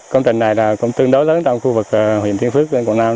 công trình này cũng tương đối lớn trong khu vực huyện thiên phước tỉnh quảng nam